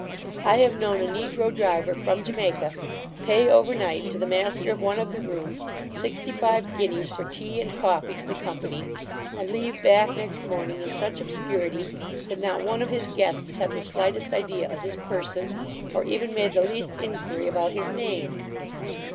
I have known a negro driver, from Jamaica, pay over night, to the master of one of the rooms, sixty five guineas for tea and coffee to the company, and leave Bath next morning, in such obscurity, that not one of his guests had the slightest idea of his person, or even made the least inquiry about his name.